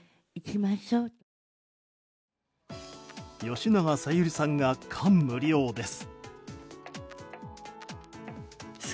吉永小百合さんが感無量です。